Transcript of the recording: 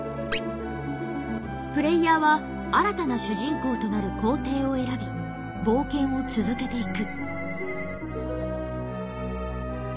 プレイヤーは新たな主人公となる皇帝を選び冒険を続けていく。